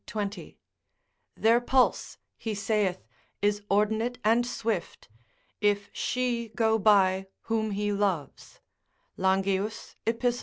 Their pulse, he saith, is ordinate and swift, if she go by whom he loves, Langius, epist.